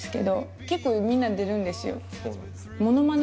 結構みんな出るんですよ。